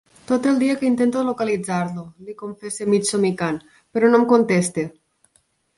Tot el dia que intento localitzar-lo —li confessa mig somicant—, però no em contesta.